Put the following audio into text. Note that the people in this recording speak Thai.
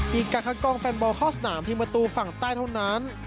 มีการคัดกองแฟนบอลเข้าสนามเพียงประตูฝั่งใต้เท่านั้น